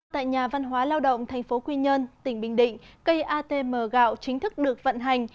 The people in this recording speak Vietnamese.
tại nhà văn hóa lao động tp quy nhân tỉnh bình định cây atm gạo chính thức được vận hành